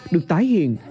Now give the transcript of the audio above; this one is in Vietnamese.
được tái hiện